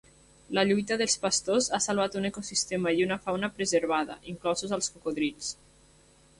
La lluita dels pastors ha salvat un ecosistema i una fauna preservada, inclosos els cocodrils.